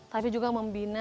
tapi juga membina